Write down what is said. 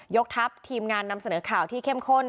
กทัพทีมงานนำเสนอข่าวที่เข้มข้น